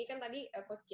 silahkan mas iman